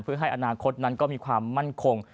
เพื่อให้อนาคตนั้นก็มีความมั่นคง